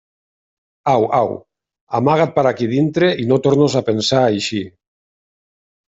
Au, au, amaga't per aquí dintre i no tornes a pensar a eixir.